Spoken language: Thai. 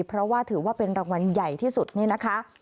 เพราะว่าถือว่าเป็นรางวัลใหญ่ที่สุดนี่นะคะ